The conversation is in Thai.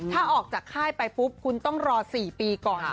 ถ้าออกจากค่ายไปปุ๊บคุณต้องรอ๔ปีก่อน